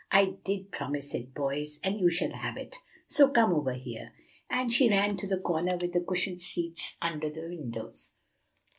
"I did promise it, boys, and you shall have it, so come over here;" and she ran to the corner with the cushioned seats under the windows.